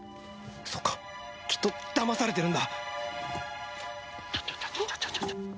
そうかきっとだまされてるんだちょちょちょちょ。